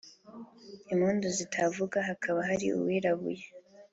impundu zitavuga hakaba hari uwirabuye